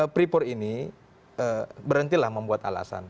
freeport ini berhentilah membuat alasan